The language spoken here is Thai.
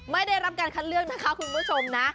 ไม่ได้รับการคัดเลือกนะคะคุณผู้ชมนะ